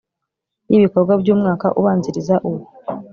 y ibikorwa by umwaka ubanziriza uwo